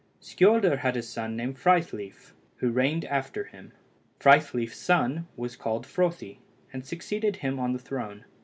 Skioldr had a son named Frithleif, who reigned after him. Frithleif's son was called Frothi, and succeeded him on the throne.